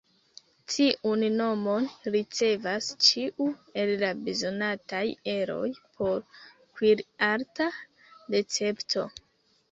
Tiun nomon ricevas ĉiu el la bezonataj eroj por kuir-arta recepto.